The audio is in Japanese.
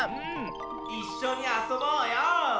いっしょにあそぼうよ！